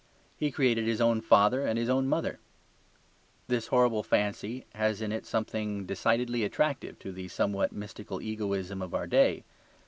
He created his own father and his own mother. This horrible fancy has in it something decidedly attractive to the somewhat mystical egoism of our day.